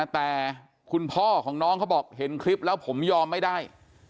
แต่คุณพ่อของน้องเขาบอกเห็นคลิปแล้วผมยอมไม่ได้